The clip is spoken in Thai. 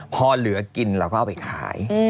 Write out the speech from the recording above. พอเหลือกินเราก็เอาไปขาย